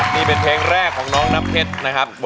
นี่เป็นเพลงแรกของน้องน้ำเพชรนะครับ